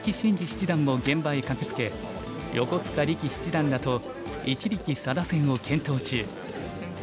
七段も現場へ駆けつけ横塚力七段らと一力・佐田戦を検討中。